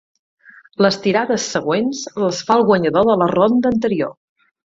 Les tirades següents les fa el guanyador de la ronda anterior.